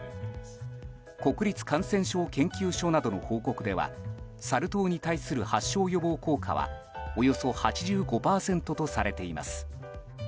国立感染症研究所などの報告ではサル痘に対する発症予防効果はおよそ８５％とされています。